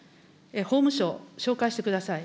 法務省、紹介してください。